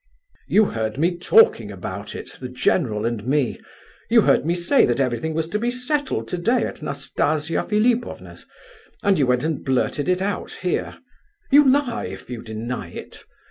"You heard me talking about it, the general and me. You heard me say that everything was to be settled today at Nastasia Philipovna's, and you went and blurted it out here. You lie if you deny it.